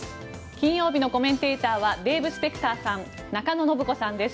金曜日のコメンテーターはデーブ・スペクターさん中野信子さんです。